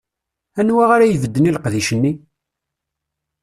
Anwa ara ibedden i leqdic-nni?